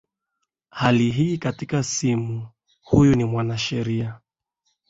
hali hii katika simu huyu ni mwanasheria